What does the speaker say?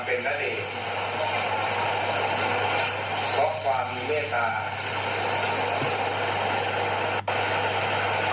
เพราะความมีเมตตา